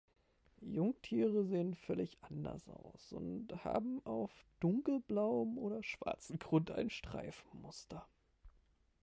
Jungtiere sehen völlig anders aus und haben auf dunkelblauem oder schwarzen Grund ein Streifenmuster.